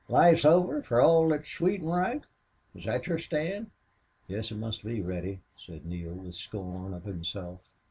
Life's over, fer all thet's sweet an' right? Is thet your stand?" "Yes, it must be, Reddy," said Neale, with scorn of himself.